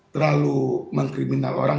terlalu mengkriminal orang